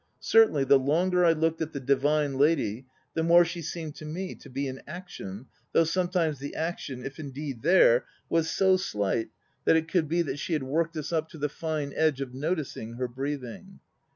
Certainly the longer I looked at the divine lady, the more she seemed to me to be in action, though sometimes the n < d there, was so slight that it could be that she had worked us up to the fine edge of ; her breathing.